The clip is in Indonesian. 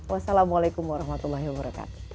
wassalamualaikum warahmatullahi wabarakatuh